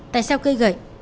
tại sao cây gậy